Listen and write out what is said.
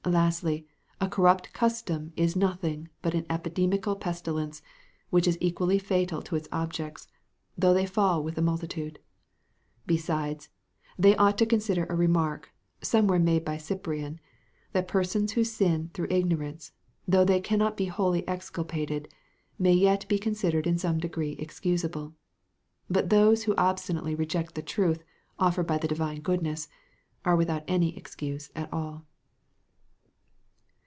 Lastly, a corrupt custom is nothing but an epidemical pestilence, which is equally fatal to its objects, though they fall with a multitude. Besides, they ought to consider a remark, somewhere made by Cyprian, that persons who sin through ignorance, though they cannot be wholly exculpated, may yet be considered in some degree excusable; but those who obstinately reject the truth offered by the Divine goodness, are without any excuse at all.